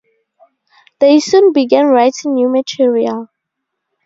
They soon began writing new material.